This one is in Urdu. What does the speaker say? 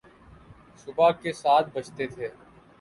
صبح کے سات بجتے تھے۔